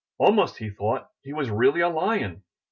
Almost he thought he was really a Lion.